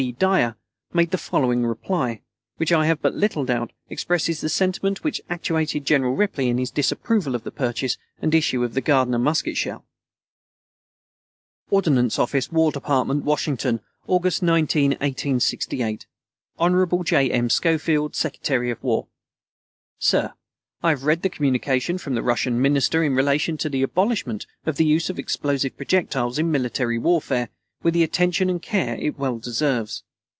B. Dyer, made the following reply, which I have but little doubt expresses the sentiment which actuated General Ripley in his disapproval of the purchase and issue of the Gardiner musket shell: ORDNANCE OFFICE, WAR DEPARTMENT, WASHINGTON, August 19, 1868. HON. J. M. SCHOFIELD, Secretary of War: Sir I have read the communication from the Russian Minister in relation to the abolishment of the use of explosive projectiles in military warfare, with the attention and care it well deserves.